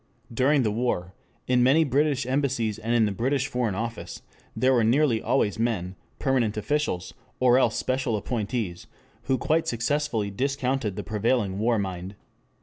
During the war in many British Embassies and in the British Foreign Office there were nearly always men, permanent officials or else special appointees, who quite successfully discounted the prevailing war mind.